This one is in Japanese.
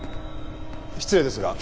失礼ですが。